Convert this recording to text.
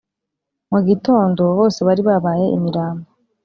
Mu gitondo bose bari babaye imirambo